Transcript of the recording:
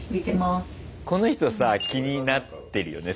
この人さ気になってるよね